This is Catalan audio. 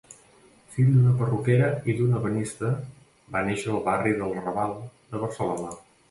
Fill d'una perruquera i d'un ebenista, va néixer al barri del Raval de Barcelona.